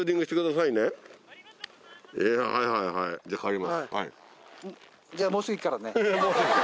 いやはいはいはい。